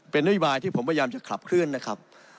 เป็นนโยบายที่ผมพยายามจะขับเคลื่อนนะครับ